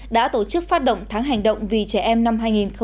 đã tổ chức phát động tháng hành động vì trẻ em năm hai nghìn một mươi chín